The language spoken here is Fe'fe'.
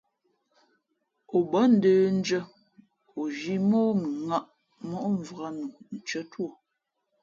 O bα̌ ndə̂ndʉ̄ᾱ, o zhī mά ǒ mʉnŋᾱꞌ móꞌmvǎk nu ntʉ̄ᾱ tú o.